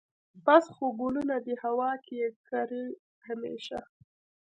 بس خو ګلونه دي هوا کې یې کرې همیشه